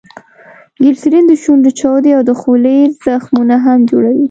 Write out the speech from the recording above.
ګلیسرین دشونډو چاودي او دخولې زخمونه هم جوړوي.